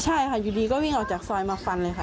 ใช่ค่ะอยู่ดีก็วิ่งออกจากซอยมาฟันเลยค่ะ